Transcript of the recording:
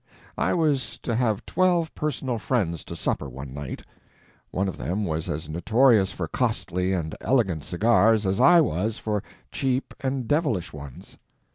I was to have twelve personal friends to supper one night. One of them was as notorious for costly and elegant cigars as I was for cheap and devilish ones.